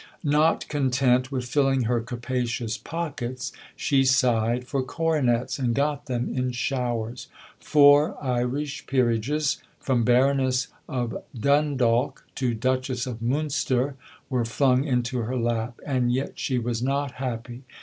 Not content with filling her capacious pockets, she sighed for coronets and got them in showers. Four Irish Peerages, from Baroness of Dundalk to Duchess of Munster, were flung into her lap. And yet she was not happy.